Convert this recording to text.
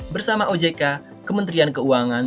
bersama ojk kementerian keuangan